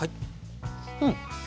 うん。